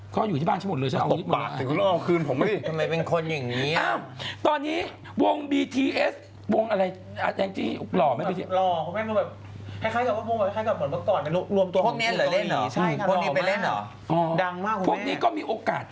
เค้าอยู่ที่บ้างชมหมดเลยจะเอาอีกหมด